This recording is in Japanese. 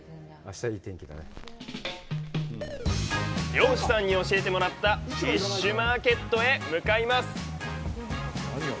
漁師さんに教えてもらったフィッシュマーケットへ向かいます！